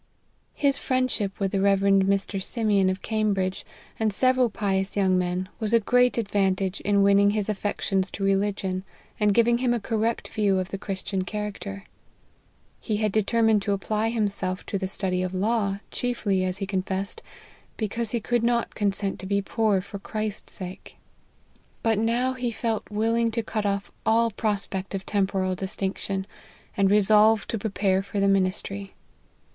His friendship with the Rev. Mr. Simeon, of Cambridge, and several pious young men, was a great advantage in winning his affections to religion, and giving him a correct view of the Christian cha racter. He had determined to apply himself to the study of law, chiefly, as he confessed, " because he could not consent to be poor for Christ's sake," LIFE OF HENRY MARTYN. 17 but he now felt willing to cut off all prospect of temporal distinction, and resolved to prepare for the ministry.